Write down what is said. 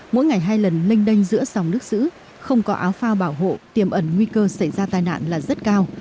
mỗi ngày hai lần lênh đênh giữa dòng nước giữ không có áo phao bảo hộ tiềm ẩn nguy cơ xảy ra tai nạn là rất cao